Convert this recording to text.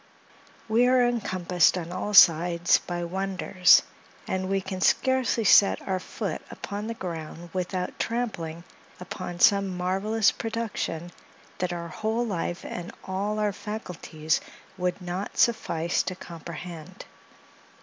We are encompassed on all sides by wonders, and we can scarcely set our foot upon the ground, without trampling upon some marvellous production that our whole life and all our faculties would not suffice to comprehend.